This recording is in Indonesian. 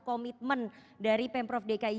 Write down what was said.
komitmen dari pemprov dki